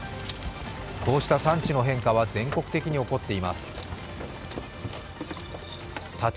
こうした産地の変化は全国的に起こっています